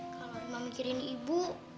kalau rima mikirin ibu